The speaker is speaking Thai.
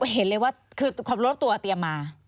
เห็นเลยว่าคือความรู้ตัวเตรียมมา